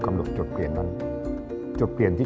การเลือกตัว